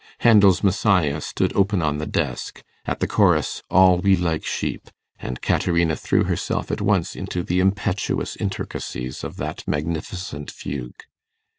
Handel's Messiah stood open on the desk, at the chorus 'All we like sheep', and Caterina threw herself at once into the impetuous intricacies of that magnificent fugue.